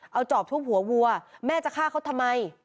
เอาจอบทุบหัววัวแม่จะฆ่าเขาทำไม